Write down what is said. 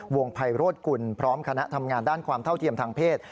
ภัยโรธกุลพร้อมคณะทำงานด้านความเท่าเทียมทางเพศ